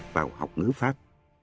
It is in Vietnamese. vào học ngữ pháp